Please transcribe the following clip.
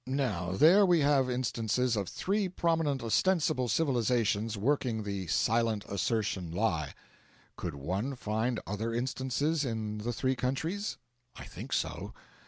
Now there we have instances of three prominent ostensible civilisations working the silent assertion lie. Could one find other instances in the three countries? I think so.